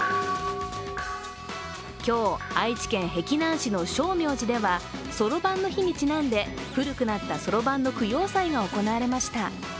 今日、愛知県碧南市の称名寺ではそろばんの日にちなんで古くなったそろばんの供養祭が行われました。